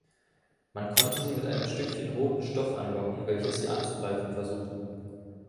Man konnte sie mit einem Stückchen roten Stoff anlocken, welches sie anzugreifen versuchten.